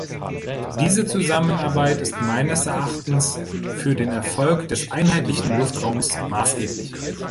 Diese Zusammenarbeit ist meines Erachtens für den Erfolg des einheitlichen Luftraums maßgeblich.